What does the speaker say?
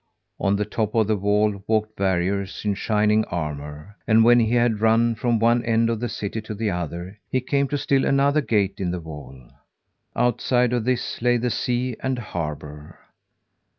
On the top of the wall walked warriors in shining armour; and when he had run from one end of the city to the other, he came to still another gate in the wall. Outside of this lay the sea and harbour.